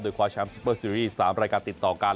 คว้าแชมป์ซุปเปอร์ซีรีส์๓รายการติดต่อกัน